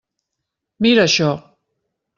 Mira això.